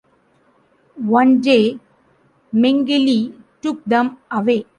One day, Mengele took them away.